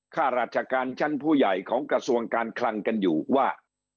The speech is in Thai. ข้าราชการชั้นผู้ใหญ่ของกระทรวงการคลังกันอยู่ว่า